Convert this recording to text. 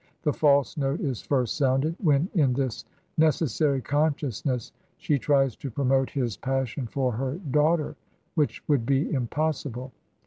The false note is first sounded when in this necessary consciousness she tries to promote his passion for her daughter, which would be impossible.